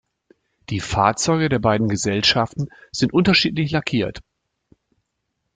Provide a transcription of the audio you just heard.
Die Fahrzeuge der beiden Gesellschaften sind unterschiedlich lackiert.